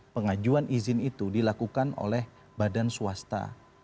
pengajuan izin itu dilakukan oleh badan swasta